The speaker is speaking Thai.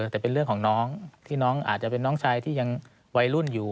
แต่เป็นเรื่องของน้องที่น้องอาจจะเป็นน้องชายที่ยังวัยรุ่นอยู่